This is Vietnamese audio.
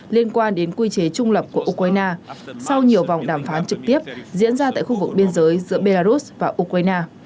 liên quan đến quy chế trung lập của ukraine sau nhiều vòng đàm phán trực tiếp diễn ra tại khu vực biên giới giữa belarus và ukraine